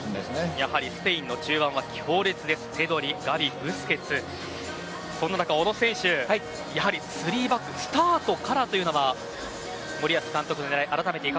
やはりスペインの中盤は強烈ですペドリ、ガヴィブスケツそんな中、小野選手やはり３バックスタートからというのは森保監督の狙い